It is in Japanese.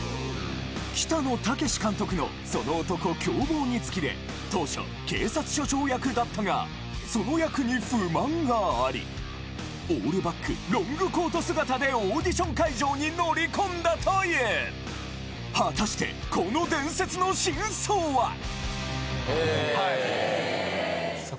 北野武監督の『その男、凶暴につき』で当初警察署長役だったがその役に不満がありオールバック・ロングコート姿でオーディション会場に乗り込んだという果たしてへえ。